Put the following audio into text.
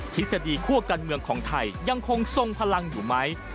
ทฤษฎีคั่วการเมืองของไทยยังคงทรงพลังอยู่ไหม